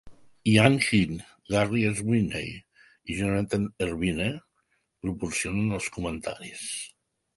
Ian Gill, Garry Sweeney i Jonathan Ervine proporcionen els comentaris.